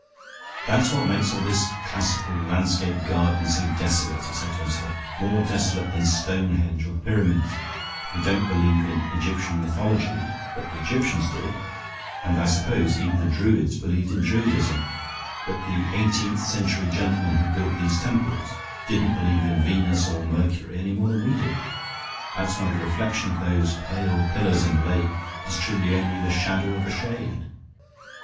"That's what makes all this classical landscape gardening so desolate," he said to himself. "More desolate than Stonehenge or the Pyramids. We don't believe in Egyptian mythology, but the Egyptians did; and I suppose even the Druids believed in Druidism. But the eighteenth century gentleman who built these temples didn't believe in Venus or Mercury any more than we do; that's why the reflection of those pale pillars in the lake is truly only the shadow of a shade.